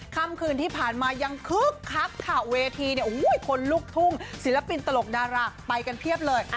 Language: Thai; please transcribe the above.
ค่ำคืนที่ผ่านมายังคึกคักค่ะเวทีเนี่ยคนลุกทุ่งศิลปินตลกดาราไปกันเพียบเลย